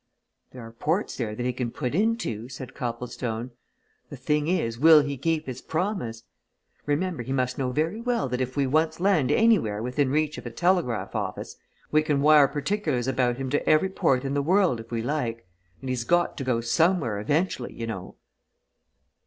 "There are ports there that he can put into," said Copplestone. "The thing is will he keep his promise? Remember! he must know very well that if we once land anywhere within reach of a telegraph office, we can wire particulars about him to every port in the world if we like and he's got to go somewhere, eventually, you know."